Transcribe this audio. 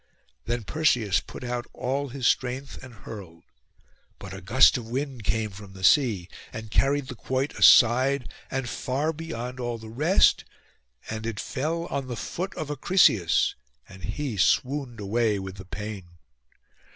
Then Perseus put out all his strength, and hurled. But a gust of wind came from the sea, and carried the quoit aside, and far beyond all the rest; and it fell on the foot of Acrisius, and he swooned away with the pain.